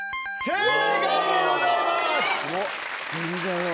正解でございます。